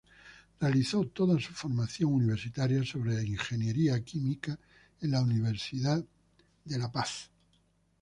Realizó toda su formación universitaria sobre ingeniería química en la Universidad de Kentucky.